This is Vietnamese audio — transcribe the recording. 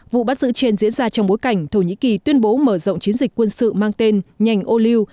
vụ bắt giữ trên diễn ra trong bối cảnh thổ nhĩ kỳ tuyên bố mở rộng chiến dịch quân sự mang tên nhành oleu